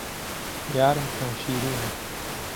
یارم خوێنشیرینه